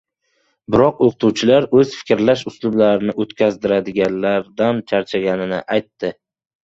biroq oʻqituvchilar oʻz fikrlash uslublarini oʻtkazdiradiganlardan charchaganini aytdi.